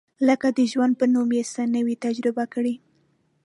لکه د ژوند په نوم یې څه نه وي تجربه کړي.